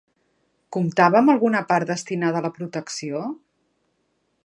Comptava amb alguna part destinada a la protecció?